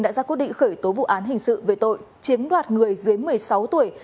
đã ra quyết định khởi tố vụ án hình sự về tội chiếm đoạt người dưới một mươi sáu tuổi